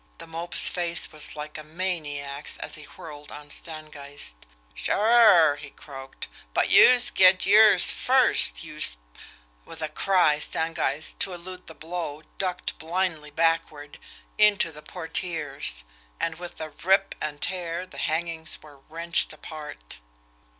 The Mope's face was like a maniac's as he whirled on Stangeist. "Sure!" he croaked. "But youse gets yers first, youse " With a cry, Stangeist, to elude the blow, ducked blindly backward into the portieres and with a rip and tear the hangings were wrenched apart.